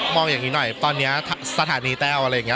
อย่างนี้หน่อยตอนนี้สถานีแต้วอะไรอย่างนี้